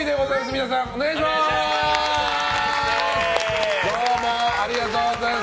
皆さんお願いします！